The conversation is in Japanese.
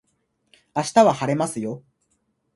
明日は晴れますよ